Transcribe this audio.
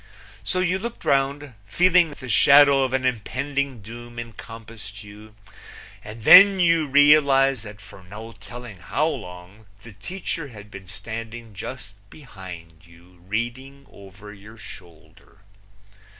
So you looked round, feeling that the shadow of an impending doom encompassed you, and then you realized that for no telling how long the teacher had been standing just behind you, reading over your shoulder.